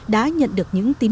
đã nhận được những ưu tiên